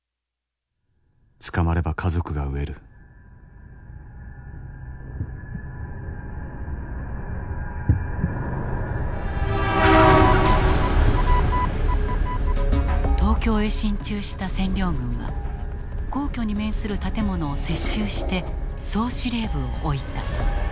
捕まれば家族が飢える東京へ進駐した占領軍は皇居に面する建物を接収して総司令部を置いた。